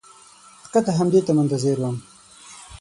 فقط همدې ته منتظر وم.